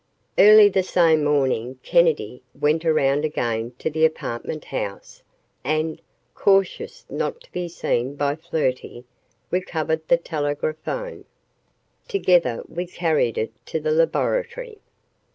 Early the same morning Kennedy went around again to the apartment house and, cautious not to be seen by Flirty, recovered the telegraphone. Together we carried it to the laboratory.